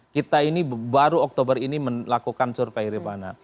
kita ini baru oktober ini melakukan survei ribana